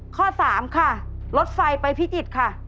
ข้อ๓ค่ะรถไฟไปพิจิตรค่ะ